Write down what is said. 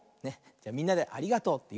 じゃみんなで「ありがとう」。